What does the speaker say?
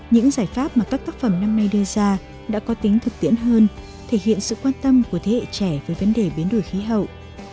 những giải pháp mà các tác phẩm năm nay đưa ra đã có tính thực tiễn hơn thể hiện sự quan tâm của thế hệ trẻ với vấn đề biến đổi khí hậu